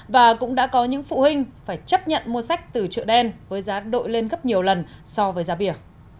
và cũng đã có những phụ huynh phải chấp nhận mua sách từ chợ đen với giá đội lên gấp nhiều lần so với giá bìa